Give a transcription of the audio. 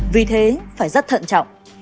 vì thế phải rất thận trọng